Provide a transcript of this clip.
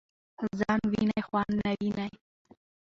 ځان وینی خوان نه ويني .